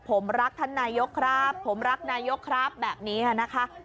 ผมรักท่านนายกครับผมรักนายกครับแบบนี้นะคะ